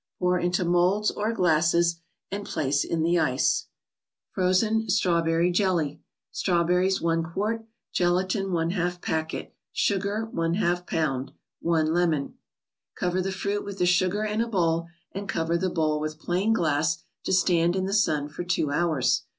Pour into molds or glasses and place in the ice. 'froien ^tratutjcrrp 31 elly. Strawberries. Gelatine, Sugar, i qt.; x / 2 packet; X lb. One Lemon. Cover the fruit with the sugar in a bowl, and cover the bowl with plain glass to stand in the sun for two hours.